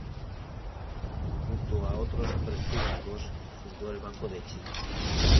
Junto a otros hombres públicos fundó el Banco de Chile.